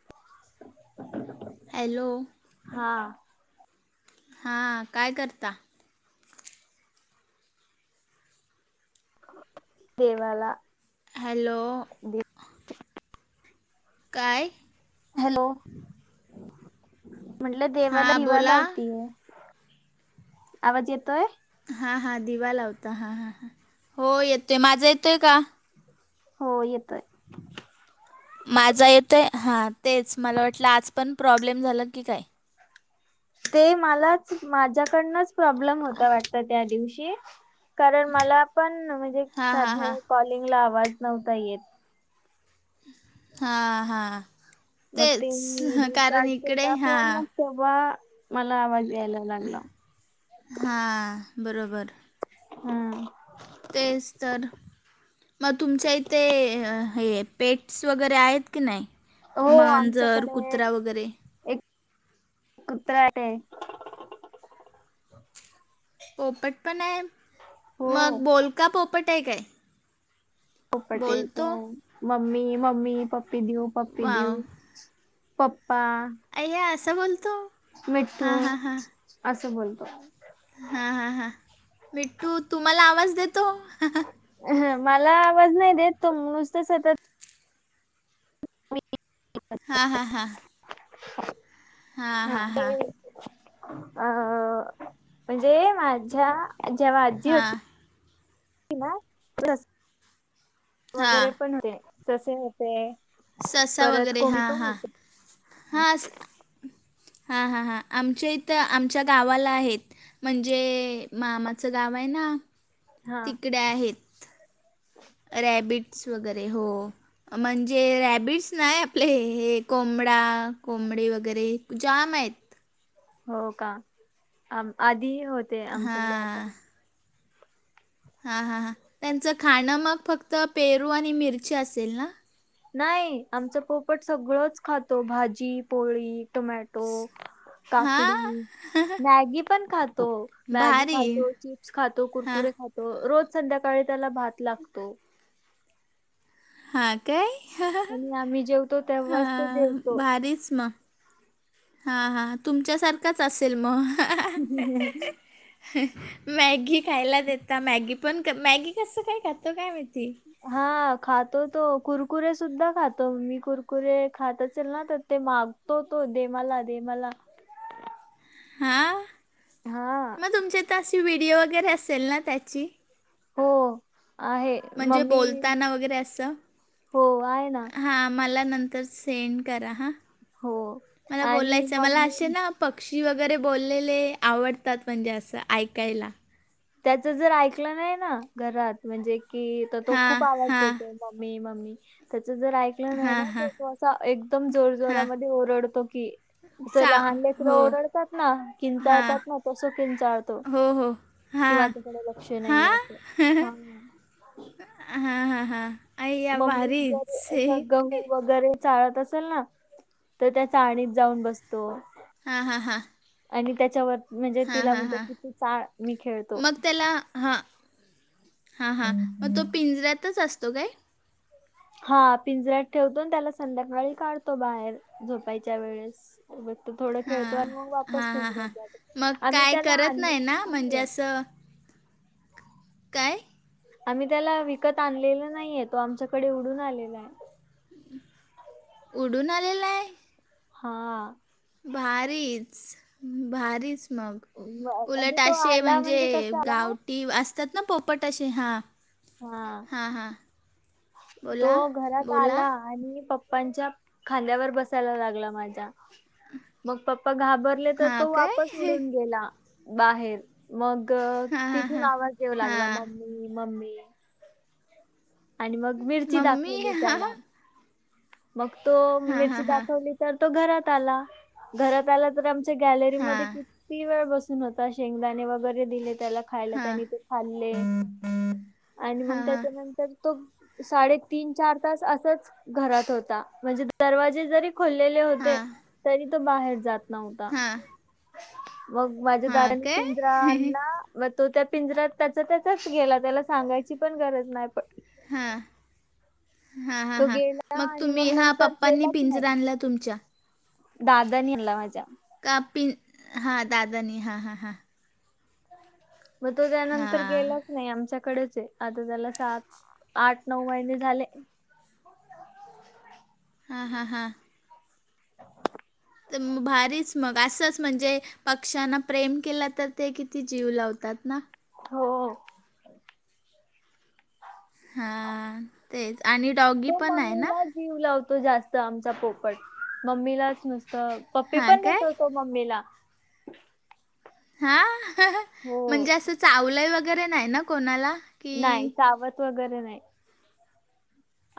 [inaudible] ऐलो हा हां काय करता देवाला हॅलो दिप काय हॅलो म्हटलं देवाला हां दिवा बोला लावतीय आवाज येतोय हा हा दिवा लावता हा हा ह हो येतोय माझा येतोय का हो येतोय माझा येतोय हा तेच मला वाटल आज पण प्रॉब्लेम झाला की काय ते मलाच माझ्याकडनच प्रॉब्लेम होता वाटत त्या दिवशी कारण मला पण म्हणजे हां हां साध्या हां कॉलिंगला आवाज नव्हता येत हां हां मग तेच ते मी कारन रिस्टार्ट इकडे केला हां फोन मग तेव्हा मला आवाज यायला लागला हां बरोबर हम् तेच तर मग तुमच्या इथे हे पेट्स वगैरे आहेत की नाही हो मांजर आमच्याकडे कुत्रा वगैरे एक कुत्रा दे पोपट पण आहे हो मग बोल पोपट येतो मम्मी मम्मी पप्पी देऊ पप्पी वाव देऊ पंप्पा अय्या असं बोलतो मिठ्ठू हां हां असं बोलतो. हा हा हा मिठ्ठू तुम्हाला आवाज देतो. हा हा ह मला आवाज नाही देत तो नुसतं सतत मि आली हा हां हां. हां हा. हां ते हां अ म्हणजे माझ्या जेव्हा आजी होती हां किवा हां वगैरे पण ससे होते ससा परत वगैरे कोंबडी हां पण हां होते हास हा हा हा आमच्या इथं आमच्या गावाला आहेत म्हणजे मामाचं गाव आहे ना हा तिकडे आहेत रॅबिट्स वगैरे हो म्हणजे रॅबिट्स नाही ले हे कोंबडा कोंबडे वगैरे जाम आहेत हो का आ आधी होते आमच्याकडे आता हां हां हां हां त्यांचं खाणं मग फक्त पेरू आणि मिरची असेल ना नाही आमचं पोपट सगळंच खातो भाजी पोळी टोमॅटो हां तोकाकडी मॅगी पण खात तो मॅगी भारी खातो चिप्स खातो हां कुरकुरे खातो रोज संध्याकाळी त्याला भात लागतो हां काय ह ह ह आणि आम्ही जेवतो हा तेव्हाच तो जेवतो. भारीच म. हा हा तुमच्यासारखाच असेल मग. हि हा ह ह मॅगी खायला देेता मॅगी पण मॅगी कसं काय खातो काय माहिती. हा खातो तो कुरकुरे सुद्धा खातो मी कुरकुरे खात असेल ना तर ते माग तो, तो, दे मला, दे मला. हा. हा. मग तुमच्या इथ अशी व्हिडीओ वगैरे असेल ना त्याची. हो आहे. म्हणजे मम्मी बोलताना वगैरे अस हो आहे ना हा मला नंत तर सेंड करा हां हो मला आणि बोलायचं मला मम्मी असे ना पक्षी वगैरे बोललेले आवडतात म्हणजे असं ऐकायला. त्याच जर ऐकलं नाही ना घरात म्हणजे कि तर तो हां खूप आवाज हां देतो. मम्मी, मम्मी त्याच जर ऐक ऐकलं नाही ना हां हां तर तो असा एकदम जोर, हां जोरामध्ये ओरडतो की चा चला लेकर हो ओरडतात ना हां किंचाळतात ना तस किंचाळतो. हो हो. किंवा हां त्याच्या कडे लक्ष नाही अस ह. हा हा हा. मम्मी जर असं गहू वगैरे चाळत असेल ना तर त्या चाळणीत जाऊन बसतो. हा हा हा. आणि त्याच्यावर म्हणजे तिला म्हणतो किती चाळ मी खेळतो. ह, हा, हा मग तो पिंजऱ्यातच असतो काय? हा पिंजऱ्यात ठेवतो न त्याला संध्याकाळी काढतो बाहेर झोपायच्या वेळेस. सोबत तो थोडं खेळतो हां आणि मग वापस हां हां पिंजऱ्यात हां जातो. मग आम्ही काय त्याला करत नाही ना म्हणजे [unintelligible] असं काय? आम्ही त्याला विकत आणलेला नाहीये तो आमच्याकडे उडून आलेला आहे. उडून आलेला आहे. हां. भारीच, भारीच मग. म- म्हणजे उलट तो असे आला म्हणजे कसा आला गावटी असतात ना पोपट असे हा. हा. हां हां. तो बोला घरात बोला आला आणि पप्पांच्या खांद्यावर बसायला लागला माझ्या मग पप्पा घाबर ले तर हां तो वापस काय उडून गेला बाहेर. मग हां हां तिथून हां आवाज देऊ लागला हां मम्मी, मम्मी आणि मग मिरची मम्मी दाखवली हां त्याला. मग तो हां हां मिरची हां दाखवली तर तो घरात आला, घरात आला तर आम गॅलरीमध्ये हां किती वेळ बसून होता शेंगदाणे वगैरे दिले त्याला खायला हां त्यानी ते खाल्ले आणि हां मग हां त्याच्यानंत तर तो साडेतीन, चार तास असच घरात होता म्हणजे दरवाजे जरी खोललेले होते हां तरी तो बाहेर जात नव्हता. हां मग माझ्या हां दादानी काय पिंजरा आणला मग तो त्या पिंजऱ्यात त्याचा त्याचाच गेला त्याला सांगायची पण गरज नाय हा, हा, हा, तो हां गेला मग आणि तुम्ही हा नंतर पप्पांनी गेलाच पिंजर नाही आणला तुमच्या. दादानी आनला माझ्या. कापिन हां दादानी हां, हां, हां. मग तो त्यानंतर हा गेला नाही आमच्याकडेच आहे आता त्याला सात, आठ, नऊ महिने झाले‌. हा हा हां. [inaudible] त भारीच मग असस म्हणजे पक्ष्यांना प्रेम केला तर, ते किती जीव लावतात ना. हो. हां. ते. तो मम्मीलाच जीव लावतो जास्त आमचा पोपट. मम्मीलाच नुसत पप्पी हां पण काय देतो तो मम्मीला. हा. हो म्हणजे असं चावलाय वगैरे नाही ना कोणाला. की नाही. चावत वगैरे नाही.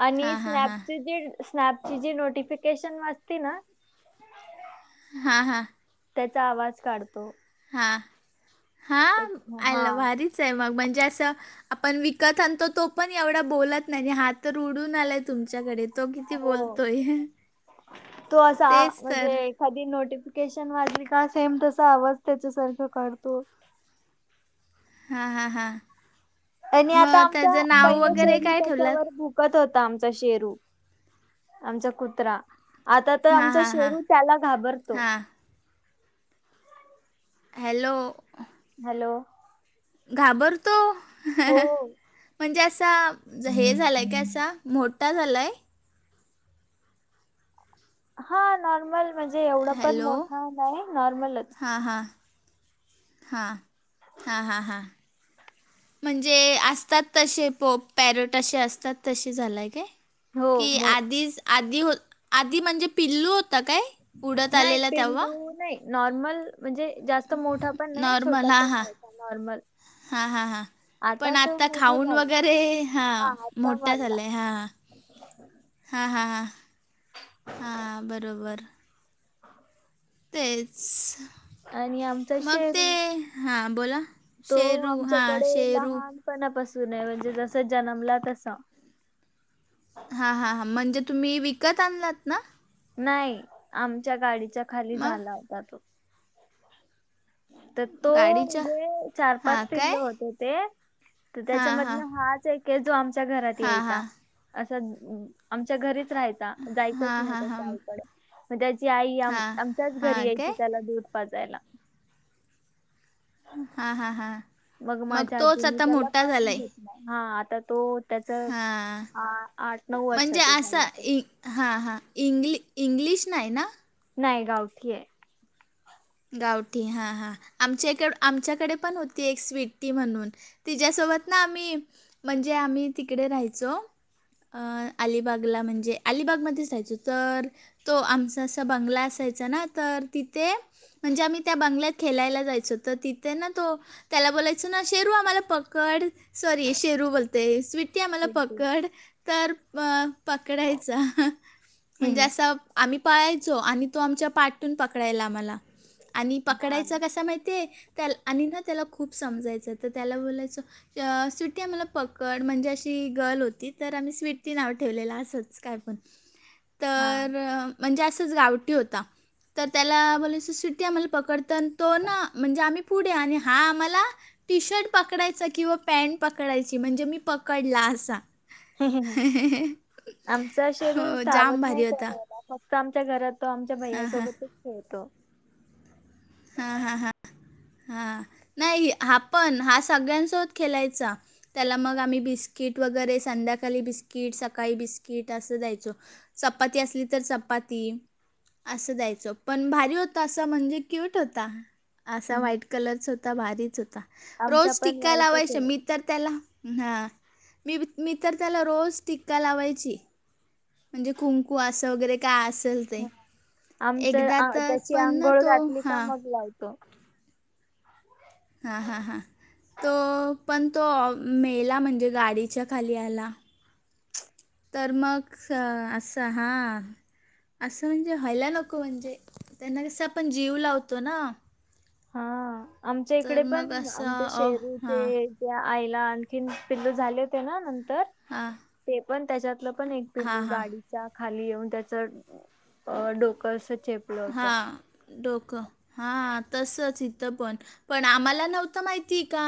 आणि हां हां हां स्नॅपची जी, स्नॅपची जी नोटिफिकेशन वाजते ना. हा हा. त्याचा आवाज काढतो. हा, हा, एक- आय हा ला भारीच. म्हणजे अस, आपण विकत आणतो. तो पण एवढा बोलत नाही. हातर उडून आलाय तुमच्याकडे. तो किती हो बोलतोय. तेच तर. कधी नोटिफिकेशन वाजली का? सेम तसा आवाज त्याच्यासारखं कढतो. हा हा हा. आणि आता आमचा, पहिल्या वगैरे शेरू काय ठेवलात? त्याच्यावर भूक कत होता. आमचा शेरू. आमचा कुत्रा. आता त, हां, आमचा हां, हां. शेरू त्याला घाबरतो. हां. हॅलो. हॅलो. घाबरतो. हो म्हणजे असा, हे झालंय काय असा. मोठ ठा झालंय. हा नॉर्मल, म्हणजे एवढं पण मोठा नाही. नॉर्मलच. हा हां. हां. हां, हां, हां. म्हणजे असतात तसे. पोप पॅरट असे असतात तसे झालाय काय? हो की मो- आधीच, आधी हो आधी म्हणजे पिल्लू होता काय? उडत नाही आलेला तेव्हा? पिल्लू नाही नॉर्मल. म्हणजे जास्त मोठा पण नाही. छोटा पण नाही. नॉर्मल. हा, हा, हा. पण तो आता मोठा खाऊन झाला वगैरे, हा आता मोठा वाढला झालाय. हा. हां, हां, हां. हां बरोबर. [unintelligible] तेच. आणि आमचा मग ते, शेरू हां बोला. तो शेरू हां आमच्याकडे शेरू लहानपणापासूने. म्हणजे जस जन्मला तसा. हा, हा, हां. म्हणजे तुम्ही विकत आणलात ना. नाही. आमच्या गाडीच्या खाली मग झाला होता तो. तर तो गाडीच्या मुगे चार हां पाच काय पिंल्ल होते ते. तर हां त्याच्यामधन हां हाच एके. जो आमच्या घरात हां हां यायचा. असं आमच्या घरीच राहायचा. जायचच हां नाही हां त्याच्या हां आईकडे. मग त्याची आई हां आमच्याच घरी हां यायची. काय त्याला दूध पाजायला. हा, हा, हा. मग माझ्या आजीने त्याला पाळून घेतला. हा आता तो त्याच, हां आठ नऊ म्हणजे वर्षाच झालं असा असेल. इ हां, हां. इंग्लि इंग्लिश नाही ना. नाही गावठीये. गावठी हा हां आमच्या इक आमच्याकडे पण होती एक स्वीटी म्हणून तिज्यासोबत ना आम्ही म्हणजे आम्ही तिकडे राहायचो. अलिबागला म्हणजे अलिबागमध्येच रायचो तर तो आमचा असां बंगला असायचा ना तर तिथे म्हणजे आम्ही त्या बंगल्यात खेलायला जायचो तर तिथे ना तो त्याला बोलायचो ना शेरू आम्हाला पकड सॉरी शेरू बोलते स्वीटी आम्हाला पकड तर म पकडायचा म्हणजे असां आम्ही पाळायचो आणि तो आमच्या पाटून पकडायला आम्हाला आणि हा पकडायचं कसं माहिती ये त्या आणि ना त्याला खूप समजायचं त त्याला बोलायचो चं स्वीटी आम्हाला पकड म्हणजे अशी गर्ल होती तर आम्ही स्वीटी नाव ठेवलेलं असच काय पण [unintelligible] तर म्हणजे असंच गावटी होता तर त्याला बोलायस स्वीटी आम्हाला पकड तनं तो ना म्हणजे आम्ही पुढे आणि हा आम्हाला टी शर्ट पकडायचा किंवा पॅन्ट पकडायची म्हणजे मी पकडला असा आमचां शेरू हो चावत जाम भारी होता करायला फक् क्त आमच्या घरात तो आमच्या हां हां भैयासोबतच खेळतो. हां हां हा हा नाय हा पण हा सगल्यांसोबत खेलायचा. त्याला मग आम्ही बिस्किट वगैरे संध्याकाली बिस्किट सकाळी बिस्किट असं द्यायचो. चपाती असली तर चपाती असं द्यायचचो पण भारी होता असं म्हणजे क्यूट होता. असा हम्म. व्हाईट कलरच होता. भारीच होता. आमचा रोज पण टिका वाईटच लावायच्या आहे. मी तर त्याला हां मी मी तर त्याला रोज टिक्का लावायची. म्हणजे कुंकू असं वगैरे काय असल हा आमच आ त्याची पण ना आंघोळ तो घातली का हां. मग लावतो. हां हां हां तो पण तो मेला म्हणजे गाडीच्या खाली आला. तर मग स असं हां असं म्हणजे व्हायला नको म्हणजे त्यांना कसं आपण जीव लावतो ना. हा आमच्या इकडे तर मग पण असं आमच्या अ शेरू हां ते त्या आईला आणखीन पिल्ल झाले होते ना नंतर हां ते पण त्याच्यातलं पण एक हां पिल्लू हां गाडी च्या खाली येऊन त्याच असं डोक चेप हा डोकं हा तसच इथं पण पण आम्हाला नव्हतं माहिती का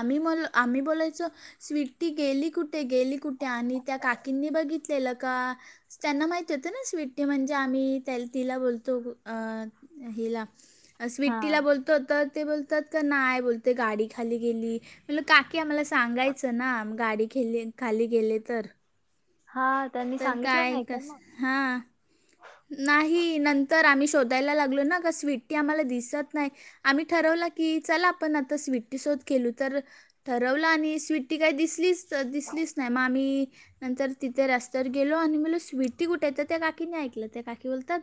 आम्ही म आम्ही बोलायचो स्वीट्टी गेली कुठे? गेली कुठे? आणि त्या काकींनी बघितलेलं का त्यांना माहिती होत ना स्वीट म्हणजे आम्ही त्या तिला बोल तो अ हिला हा स्विटी ला बोल त त ते बोलतात क नाय बोलतं गाडीखली गेली. म्हणलं काकी आम्हाला सांगायचं ना मं गाडी खेली खाली गेले तर हा त्यांनी तर सांगितलं काय नाय का कसं मग हां नाही नंतर आम्ही शोधायला लागलो ना का स्वीटी आम्हाला दिसत नाय आम्ही ठरवला की चला आपण आता स्वीटी शोध खेलू तर ठरवलं आणि स्वीटी काय दिसलीस त दिसलीस नाय म आम्ही नंतर तिथे रस्त्यावर गेलो आणि म्हणलो स्वीटी कुठ हाय त त्या काकीने ऐकलं त्या काकी बोलतात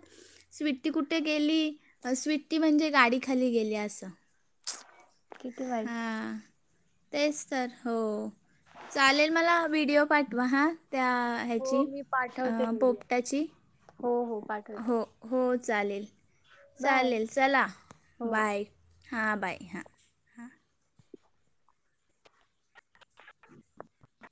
स्विट्टी कुठे गेली स्विट्टी म्हणजे गाडीखाली गेली असं. किती वाईट हां, तेच तर हो. चालेल मला व्हिडिओ पाठवा हा त्या हो ह्याची मी अ पाठवते व्हिडिओ. पोपटची हो हो. पाट हो हो. बाय. चालेल-चालेल चला हो बाय. हां बाय हां. [inaudible]